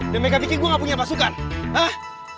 dan mereka pikir gua gak punya pasukan hah